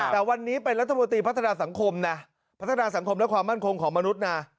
แต่วันนี้เป็นรัฐบอลตรีพัฒนาสังคมและความมั่นคงของมนุษย์น่ะ